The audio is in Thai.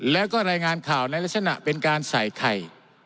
แล้วก็รายงานข่าวในลักษณะเป็นการใส่ไข่